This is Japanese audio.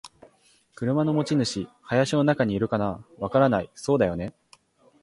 「車の持ち主。林の中にいるかな？」「わからない。」「そうだよね。」